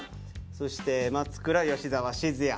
そして松倉「吉澤閑也」。